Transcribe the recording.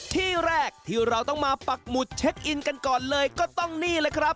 ที่แรกที่เราต้องมาปักหมุดเช็คอินกันก่อนเลยก็ต้องนี่แหละครับ